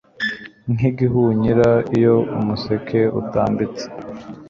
Nkigihunyira iyo umuseke utambitse